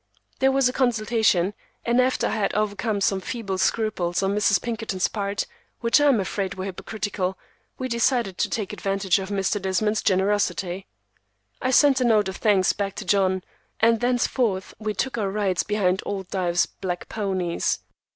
There was a consultation, and after I had overcome some feeble scruples on Mrs. Pinkerton's part, which I am afraid were hypocritical, we decided to take advantage of Mr. Desmond's generosity. I sent a note of thanks back by John, and thenceforth we took our rides behind "old Dives's" black ponies.